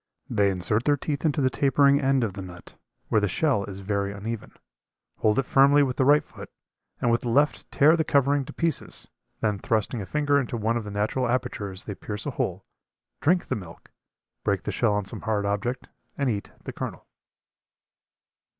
They insert their teeth into the tapering end of the nut, where the shell is very uneven, hold it firmly with the right foot, and with the left tear the covering to pieces. Then thrusting a finger into one of the natural apertures they pierce a hole, drink the milk, break the shell on some hard object and eat the kernel.